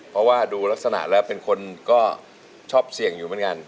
เพราะว่าดูลักษณะแล้วเป็นคนก็ชอบเสี่ยงอยู่เหมือนกัน